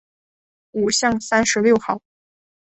五巷三十六号